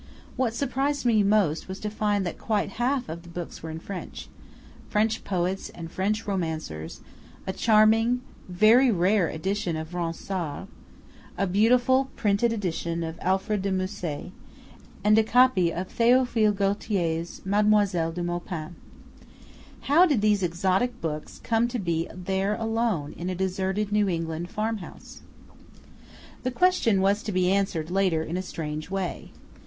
What surprised me most was to find that quite half the books were in French French poets and French romancers: a charming, very rare edition of Ronsard, a beautifully printed edition of Alfred de Musset, and a copy of Théophile Gautier's Mademoiselle de Maupin. How did these exotic books come to be there alone in a deserted New England farm house? This question was to be answered later in a strange way.